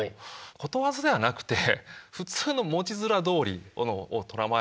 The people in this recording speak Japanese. ことわざではなくて普通の文字面どおりをとらまえるとですね